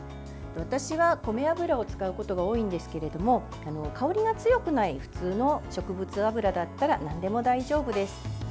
私は米油を使うことが多いんですけれども香りが強くない普通の植物油だったらなんでも大丈夫です。